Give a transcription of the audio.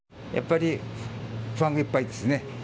やっぱり不安がいっぱいですね。